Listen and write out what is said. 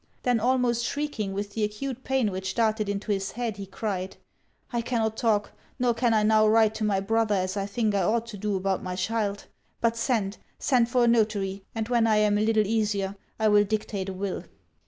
Then almost shrieking with the acute pain which darted into his head, he cried "I cannot talk, nor can I now write to my brother as I think I ought to do about my child. But send, send for a notary, and when I am a little easier I will dictate a will."